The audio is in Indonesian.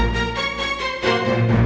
terh rin capucookan